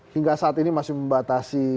hingga saat ini masih membatasi